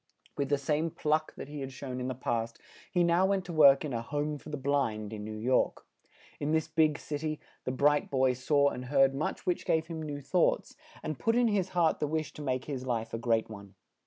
With the same pluck that he had shown in the past, he now went to work in a "Home for the Blind," in New York. In this big cit y, the bright boy saw and heard much which gave him new thoughts, and put in his heart the wish to make his life a great one.